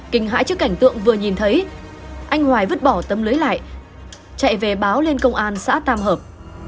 kinh hãi trước cảnh tượng vừa nhìn thấy anh hoài vứt bỏ tấm lưới lại chạy về báo lên công an xã tam hợp